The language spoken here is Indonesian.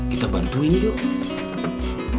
kita bantuin dong